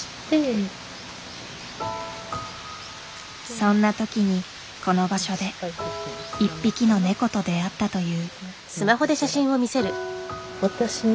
そんな時にこの場所で一匹のネコと出会ったという。